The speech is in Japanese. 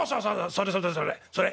それそれそれそれ。